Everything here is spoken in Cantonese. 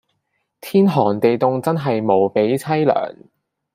天寒地涷真係無比淒涼